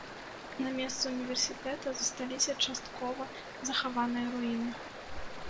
На месцы ўніверсітэта засталіся часткова захаваныя руіны.